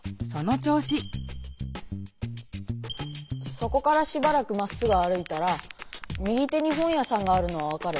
そこからしばらくまっすぐ歩いたら右手に本屋さんがあるのは分かる？